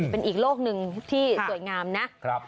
เป็นอีกโลกหนึ่งที่สวยงามนะ